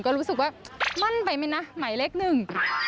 ก็รู้สึกว่ามั่นไปไหมนะหมายเลขหนึ่ง